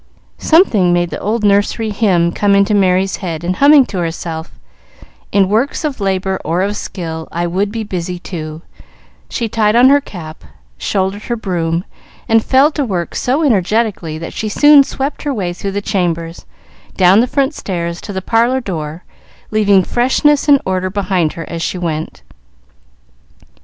Something made the old nursery hymn come into Merry's head, and humming to herself, "In works of labor or of skill I would be busy too," she tied on her cap, shouldered her broom, and fell to work so energetically that she soon swept her way through the chambers, down the front stairs to the parlor door, leaving freshness and order behind her as she went.